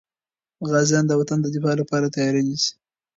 غازیان د وطن د دفاع لپاره تیاري نیسي.